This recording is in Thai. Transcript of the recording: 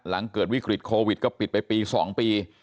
หลังเกิดวิกฤตโควิดก็ปิดไปปี๒ปี